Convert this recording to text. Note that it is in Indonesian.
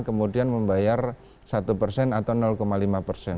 kemudian membayar satu persen atau lima persen